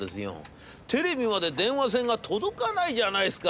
テレビまで電話線が届かないじゃないですか』。